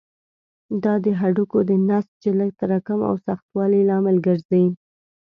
دا د هډوکو د نسج د لږ تراکم او سختوالي لامل ګرځي.